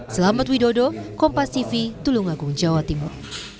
selamat widodo kompas cv tulungagung jawa timur